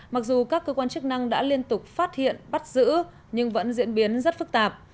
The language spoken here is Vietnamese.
mặc dù các cơ quan chức năng đã liên tục phát hiện bắt giữ nhưng vẫn diễn biến rất phức tạp